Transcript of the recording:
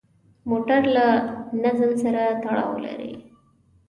موټر له نظم سره تړاو لري.